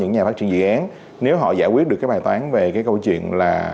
những nhà phát triển dự án nếu họ giải quyết được cái bài toán về cái câu chuyện là